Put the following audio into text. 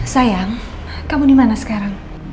sayang kamu dimana sekarang